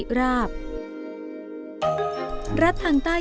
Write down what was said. พระพุทธปฏิมาปางสมาธิ